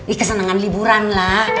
ih kesenangan liburan lah